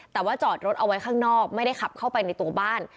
แต่ว่าจอดรถเอาไว้ข้างนอกไม่ได้ขับเข้าไปในตัวบ้าน